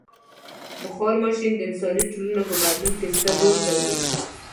• بخار ماشین د انساني ټولنو په بدلون کې ستر رول درلود.